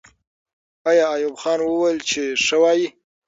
آیا ایوب خان وویل چې ښه وایي؟